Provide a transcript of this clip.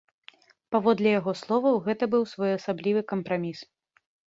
Паводле яго словаў, гэта быў своеасаблівы кампраміс.